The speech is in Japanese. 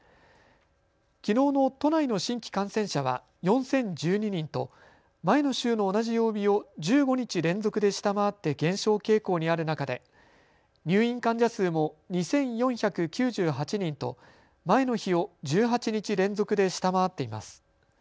きのうの都内の新規感染者は４０１２人と前の週の同じ曜日を１５日連続で下回って減少傾向にある中で入院患者数も２４９８人と前の日を１８日連続で下回っています。